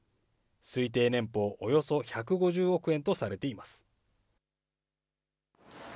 推定年俸およそ１５０億円とされています。